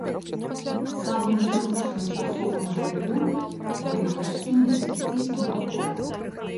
Самым зручным часовым жыллём былі гасцініцы і санаторыі.